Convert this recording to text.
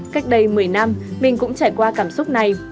cách đây một mươi năm mình cũng trải qua cảm xúc này